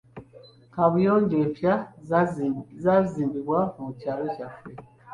Kaabuyonjo empya zaazimbibwa mu kyalo kyaffe.